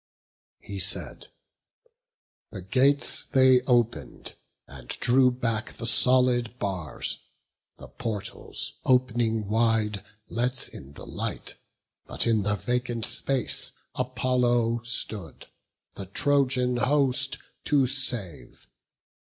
He said; the gates they open'd, and drew back The solid bars; the portals, op'ning wide, Let in the light; but in the vacant space Apollo stood, the Trojan host to save.